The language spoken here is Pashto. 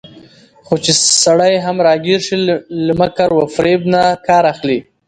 خو چې سړى هم راګېر شي، له مکر وفرېب نه کار اخلي